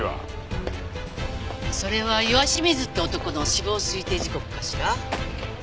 それは岩清水って男の死亡推定時刻かしら？